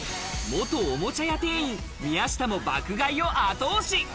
元おもちゃ屋店員・宮下も爆買いを後押し。